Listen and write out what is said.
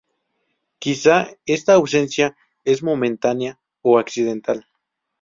Quizá esta ausencia es momentánea o accidental.